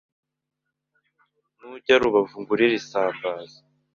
Nujya rubavu ungurire Isambaza